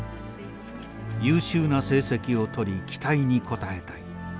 「優秀な成績を取り期待に応えたい」。